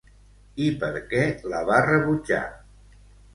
I per què la va rebutjar?